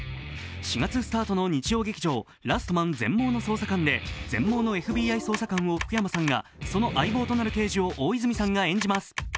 ４月スタートの日曜劇場「ラストマン−全盲の捜査官−」で全盲のＦＢＩ捜査官を福山さんがその相棒となる刑事を大泉さんが演じます。